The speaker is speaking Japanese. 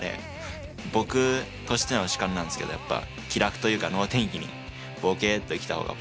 僕としての主観なんすけどやっぱ気楽というか能天気にぼけっと生きた方が。